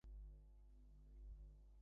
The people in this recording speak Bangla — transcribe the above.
আশেপাশে বিড়ালগুলিকে দেখতে পেলেন না।